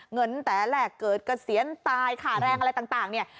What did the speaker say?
เงินแต่แรกเกิดเกษียณตายค่าแรงอะไรต่างเนี่ย